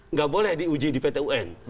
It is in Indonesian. nggak boleh diuji di pt un